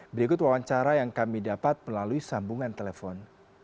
berikut wawancara yang kami dapat melalui sambungan telepon